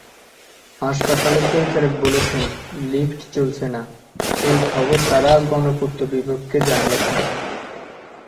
হাসপাতালের পরিচালক বলেছেন, লিফট চলছে না—এই খবর তাঁরা গণপূর্ত বিভাগকে জানিয়েছেন।